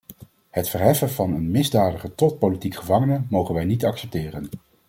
Het verheffen van een misdadiger tot politiek gevangene mogen wij niet accepteren.